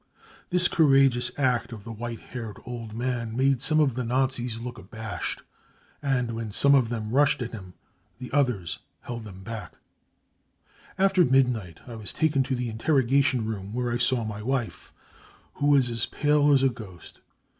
5 This courageous act of the white haired old man made some of the Nazis look abashed, and when some of them rushed at him the others held them back; 44 After midnight I was taken to the interrogation room, where I saw my wife, who was as pale as a ghost.